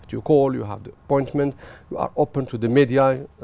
các bạn gọi các bạn gặp các bạn sẵn sàng với media